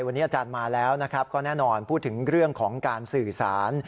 วันนี้อาจารย์มาแล้วนะครับก็แน่นอนพูดถึงเรื่องของการสื่อสาร